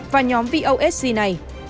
và nhóm vosc này